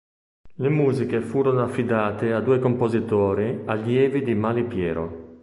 Le musiche furono affidate a due compositori allievi di Malipiero.